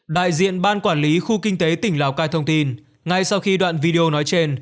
đại diện ban quản lý khu kinh tế tỉnh lào cai thông tin ngay sau khi đoạn video nói trên